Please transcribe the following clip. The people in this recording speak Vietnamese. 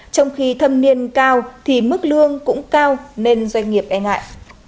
trong khi thâm niên cao thì mức lương cũng cao nên doanh nghiệp e ngại